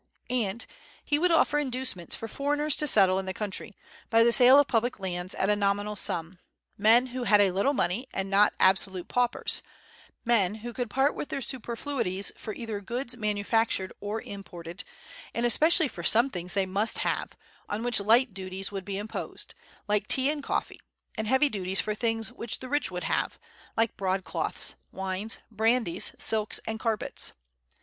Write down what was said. And he would offer inducements for foreigners to settle in the country, by the sale of public lands at a nominal sum, men who had a little money, and not absolute paupers; men who could part with their superfluities for either goods manufactured or imported, and especially for some things they must have, on which light duties would be imposed, like tea and coffee; and heavy duties for things which the rich would have, like broadcloths, wines, brandies, silks, and carpets.